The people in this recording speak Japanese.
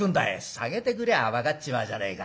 「提げてくりゃ分かっちまうじゃねえか。